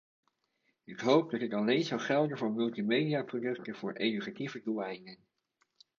Ik hoop dat dit alleen zal gelden voor multimediaproducten voor educatieve doeleinden.